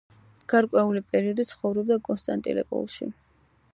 გარკვეული პერიოდი ცხოვრობდა კონსტანტინოპოლში.